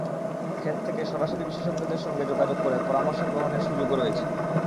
খেত থেকে সরাসরি বিশেষজ্ঞদের সঙ্গে যোগাযোগ করে পরামর্শ গ্রহণের সুযোগও রয়েছে।